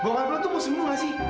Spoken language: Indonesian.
bok abloh tuh mau sembuh gak sih